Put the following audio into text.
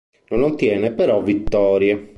Non ottiene però vittorie.